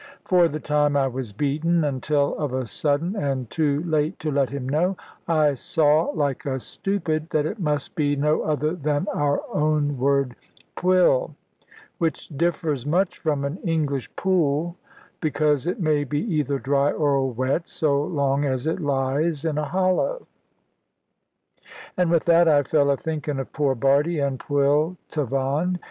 For the time I was beaten, until of a sudden, and too late to let him know, I saw like a stupid that it must be no other than our own word "Pwll," which differs much from an English "pool," because it may be either dry or wet, so long as it lies in a hollow. And with that I fell a thinking of poor Bardie and Pwll Tavan.